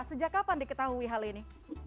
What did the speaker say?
sejak kapan diketahui hal ini